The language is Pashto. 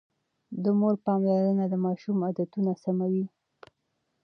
د مور پاملرنه د ماشوم عادتونه سموي.